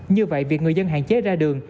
như vậy việc người dân hạn chế ra đường